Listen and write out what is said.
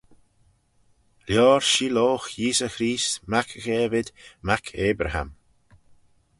Lioar sheeloghe Yeesey Creest, mac Ghavid, mac Abraham.